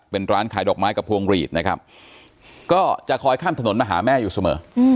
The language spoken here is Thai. เป็นร้านขายดอกไม้กับพวงหลีดนะครับก็จะคอยข้ามถนนมาหาแม่อยู่เสมอ